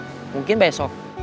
kalau bisa mungkin besok